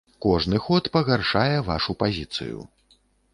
Кожны ход пагаршае вашу пазіцыю.